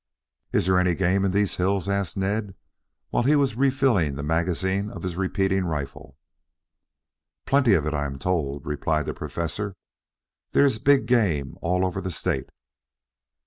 "Is there any game in these hills?" asked Ned, while he was refilling the magazine of his repeating rifle. "Plenty of it, I am told," replied the Professor. "There is big game all over the state."